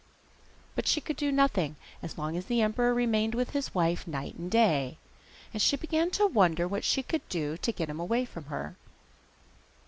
But she could do nothing as long as the emperor remained with his wife night and day, and she began to wonder what she could do to get him away from her.